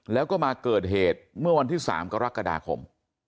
แล้วก็มาเกิดเหตุเมื่อวันที่๓กรกฎาคม